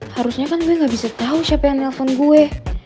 harusnya kan gue gak bisa tahu siapa yang nelfon gue